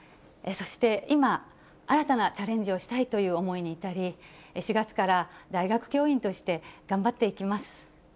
そして、今、新たなチャレンジをしたいという思いに至り、４月から大学教員として頑張っていきます。